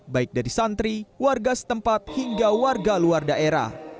baik dari santri warga setempat hingga warga luar daerah